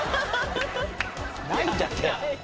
ないんだって。